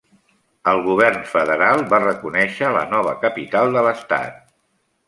El govern federal va reconèixer la nova capital de l'estat.